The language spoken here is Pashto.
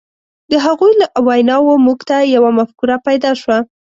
د هغوی له ویناوو موږ ته یوه مفکوره پیدا شوه.